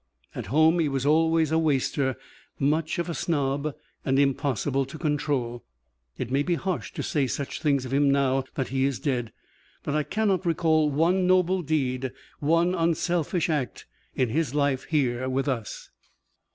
At home he was always a waster, much of a snob, and impossible to control. It may be harsh to say such things of him now that he is dead, but I cannot recall one noble deed, one unselfish act, in his life here with us.